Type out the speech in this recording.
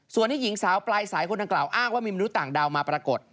ส่วนที่หญิงสาวปลายสายคนดังกล่าวอ้างว่ามีมนุษย์ต่างดาวมาปรากฏ